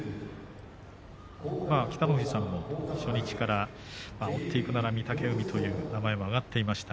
北の富士さんも初日から追っていくなら御嶽海という名前が挙がっていました。